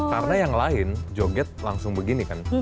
karena yang lain joget langsung begini kan